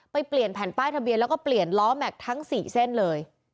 เปลี่ยนแผ่นป้ายทะเบียนแล้วก็เปลี่ยนล้อแม็กซ์ทั้ง๔เส้นเลย